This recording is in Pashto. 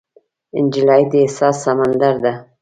نجلۍ د احساس سمندر ده.